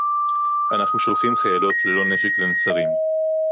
אנחנו שולחים חיילות ללא נשק לנצרים